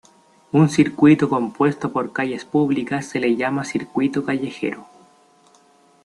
Un circuito compuesto por calles públicas se le llama circuito callejero.